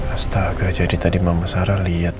astaga jadi tadi mama sarah lihat